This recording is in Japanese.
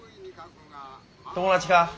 友達か？